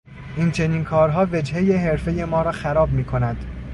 این چنین کارها وجههی حرفهی ما را خراب میکند.